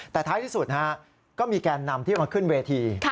แต่ท้ายที่สุดก็มีแกนนำที่มาขึ้นเวที